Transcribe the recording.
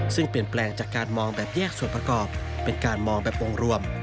ซึ่งเปลี่ยนแปลงจากการมองแบบแยกส่วนประกอบเป็นการมองแบบองค์รวม